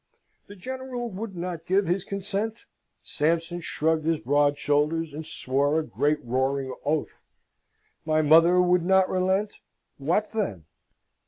The General would not give his consent? Sampson shrugged his broad shoulders and swore a great roaring oath. My mother would not relent? What then?